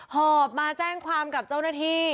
หอบมาแจ้งความกับเจ้าหน้าที่